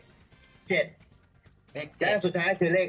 แก๊สสุดท้ายคือเลข๕